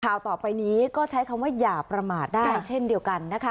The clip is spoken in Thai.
ข่าวต่อไปนี้ก็ใช้คำว่าอย่าประมาทได้เช่นเดียวกันนะคะ